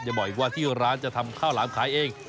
บอกอีกว่าที่ร้านจะทำข้าวหลามขายเอง